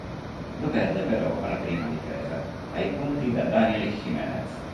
Lo perde però alla prima difesa: ai punti da Daniel Jiménez.